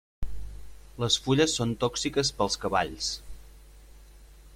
Les fulles són tòxiques pels cavalls.